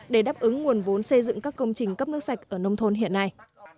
để đáp ứng nguồn vốn xây dựng các công trình cấp nước sạch ở nông thôn hiện nay